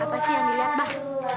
apa sih yang diliat abah